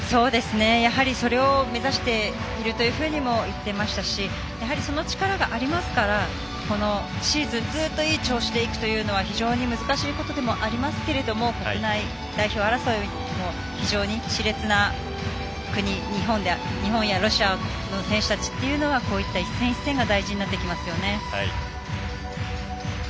やはり、それを目指しているというふうにも言っていましたしやはり、その力がありますからこのシーズンずっといい調子でいくというのは非常に難しいことでもありますけど国内代表争いも非常にしれつな国日本やロシアの選手たちというのはこういった一戦一戦が大事になってきますよね。